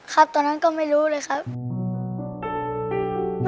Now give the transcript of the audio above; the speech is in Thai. ครับตอนนั้นก็ไม่รู้เลยครับ